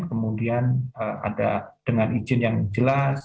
kemudian ada dengan izin yang jelas